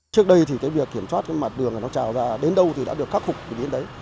trước đây thì cái việc kiểm soát cái mặt đường nó trào ra đến đâu thì đã được khắc phục đến đấy